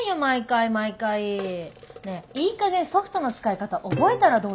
ねえいいかげんソフトの使い方覚えたらどうですか？